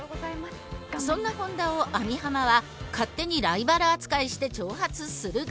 そんな本田を網浜は勝手にライバル扱いして挑発するが。